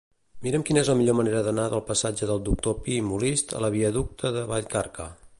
Mira'm quina és la millor manera d'anar del passatge del Doctor Pi i Molist a la viaducte de Vallcarca.